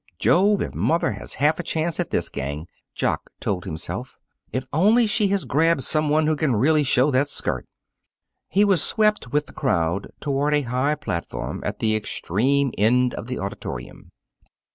"Jove, if mother has half a chance at this gang!" Jock told himself. "If only she has grabbed some one who can really show that skirt!" He was swept with the crowd toward a high platform at the extreme end of the auditorium.